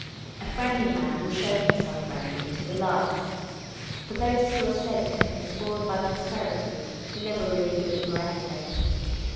" A friendly man will show himself friendly " to the last ; for those who are said to have been spoiled by prosperity were never really good for anything.